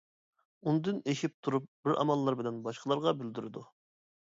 ئۇندىن ئېشىپ تۇرۇپ بىر ئاماللار بىلەن باشقىلارغا بىلدۈرىدۇ.